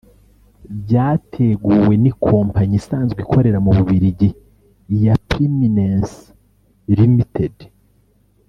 byateguwe n’ikompanyi isanzwe ikorera mu Bubiligi ya Preeminence Ltd